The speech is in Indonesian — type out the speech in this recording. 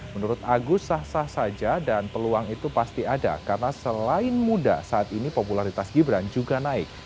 menurut agus sah sah saja dan peluang itu pasti ada karena selain muda saat ini popularitas gibran juga naik